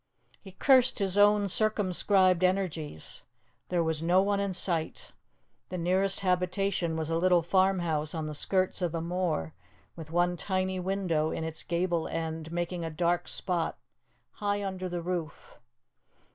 He cursed his own circumscribed energies; there was no one in sight. The nearest habitation was a little farmhouse on the skirts of the moor with one tiny window in its gable end making a dark spot, high under the roof.